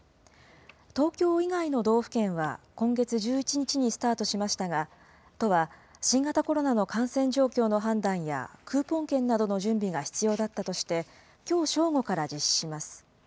東京以外の道府県は今月１１日にスタートしましたが、都は新型コロナの感染状況の判断や、クーポン券などの準備が必要だったとして、きょう正午から実施します。